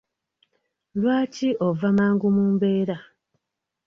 Lwaki ova mangu mu mbeera?